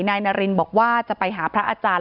นายนารินบอกว่าจะไปหาพระอาจารย์